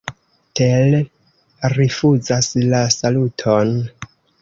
Tell rifuzas la saluton.